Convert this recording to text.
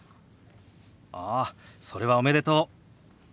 ああそれはおめでとう！